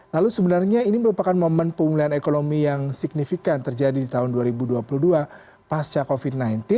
lalu sebenarnya ini merupakan momen pemulihan ekonomi yang signifikan terjadi di tahun dua ribu dua puluh dua pasca covid sembilan belas